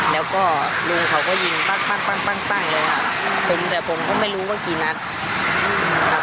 แล้วก็ลุงเขาก็ยิงปั้งปั้งปั้งปั้งปั้งเลยค่ะผมแต่ผมก็ไม่รู้ว่ากี่นัดอืมครับ